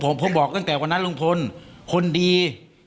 ผมผมบอกตั้งแต่วันนั้นลุงพลคนดี